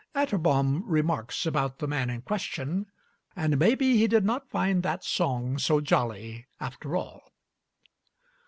Atterbom remarks about the man in question, "And maybe he did not find that song so jolly after all."